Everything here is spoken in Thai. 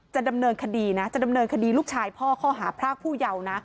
ดำเนินคดีนะจะดำเนินคดีลูกชายพ่อข้อหาพรากผู้เยาว์นะ